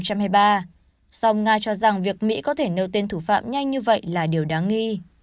song nga cho rằng việc mỹ có thể nêu tên thủ phạm nhanh như vậy là điều đáng nghi